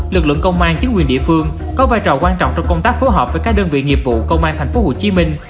lực lượng công an chính quyền địa phương có vai trò quan trọng trong công tác phối hợp với các đơn vị nghiệp vụ công an thành phố hồ chí minh